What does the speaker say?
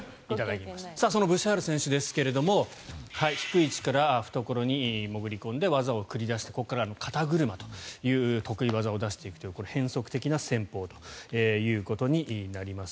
そのブシャール選手ですが低い位置から懐に潜り込んで技を出してくるここから肩車という得意技を出していくという変則的な戦法に出ます。